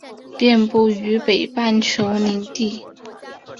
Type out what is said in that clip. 遍布于北半球林地。